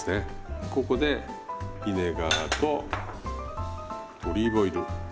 ここでビネガーとオリーブオイル。